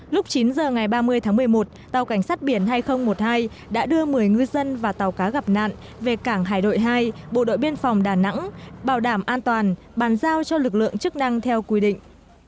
lúc chín h ngày ba mươi tháng một mươi một tàu cảnh sát biển hai nghìn một mươi hai đã đưa một mươi ngư dân và tàu cá gặp nạn về cảng hải đội hai bộ đội biên phòng đà nẵng bảo đảm an toàn bàn giao cho lực lượng chức năng theo quy định